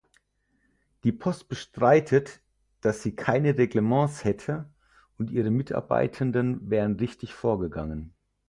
Die Post bestreitet, dass sie keine Reglemente hätte und ihre Mitarbeitenden wären richtig vorgegangen.